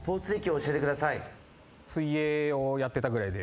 水泳をやってたぐらいで。